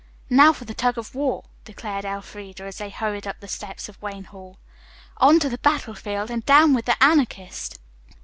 "Now, for the tug of war," declared Elfreda as they hurried up the steps of Wayne Hall. "On to the battlefield and down with the Anarchist!"